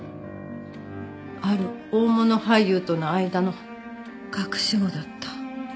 ある大物俳優との間の隠し子だった。